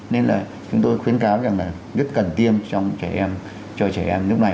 nên là chúng tôi khuyến cáo rằng là rất cần tiêm cho trẻ em lúc này